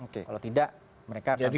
kalau tidak mereka akan